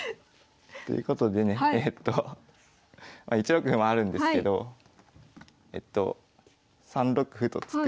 ということでねえと１六歩もあるんですけど３六歩と突く。